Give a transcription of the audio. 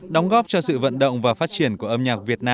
đóng góp cho sự vận động và phát triển của âm nhạc việt nam